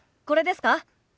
これですか？